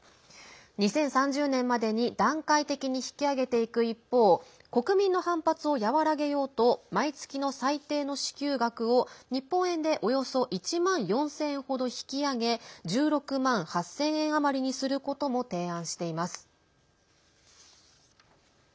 ２０３０年までに段階的に引き上げていく一方国民の反発を和らげようと毎月の最低の支給額を日本円でおよそ１万４０００円程引き上げ１６万８０００円余りにすることも提案しています。